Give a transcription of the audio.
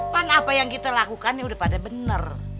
kan apa yang kita lakukan ini udah pada bener